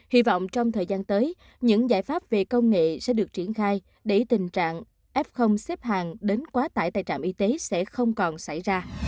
hy vọng trong thời gian tới những giải pháp về công nghệ sẽ được triển khai để tình trạng f xếp hàng đến quá tải tại trạm y tế sẽ không còn xảy ra